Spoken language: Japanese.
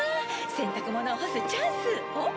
洗濯物を干すチャンスあっ！